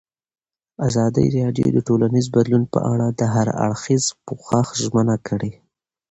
ازادي راډیو د ټولنیز بدلون په اړه د هر اړخیز پوښښ ژمنه کړې.